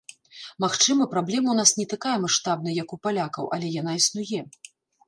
Магчыма, праблема ў нас не такая маштабная, як у палякаў, але яна існуе.